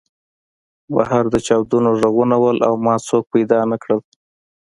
بهر د چاودنو غږونه وو او ما څوک پیدا نه کړل